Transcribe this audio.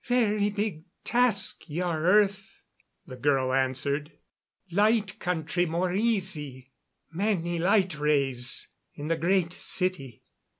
"Very big task your earth," the girl answered. "Light Country more easy. Many light rays in the Great City.